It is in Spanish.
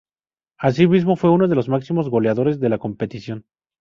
Asimismo, fue uno de los máximos goleadores de la competición.